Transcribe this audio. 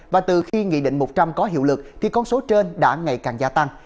và từ khi nghị định một trăm linh có hiệu lực thì con số trên đã ngày càng gia tăng